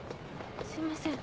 すいません。